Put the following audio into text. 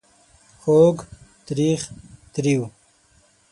خوږ .. تریخ ... تریو ...